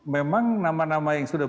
memang nama nama yang sudah